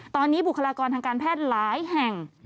ตอนนี้บุคลากรทางการแพทย์หลายแห่ง